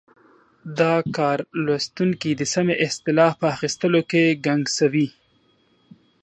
دا کار لوستونکی د سمې اصطلاح په اخیستلو کې ګنګسوي.